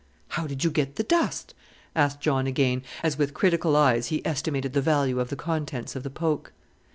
"How did you get the dust?" asked John again, as with critical eyes he estimated the value of the contents of the poke.